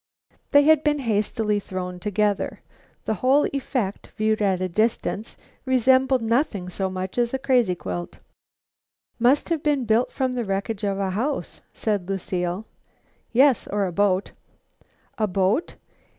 They had been hastily thrown together. The whole effect, viewed at a distance, resembled nothing so much as a crazy quilt. "Must have been built from the wreckage of a house," said Lucile. "Yes, or a boat." "A boat?